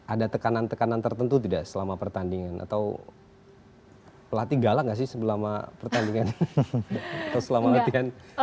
ada tekanan tekanan tertentu tidak selama pertandingan atau pelatih galak gak sih selama pertandingan atau selama latihan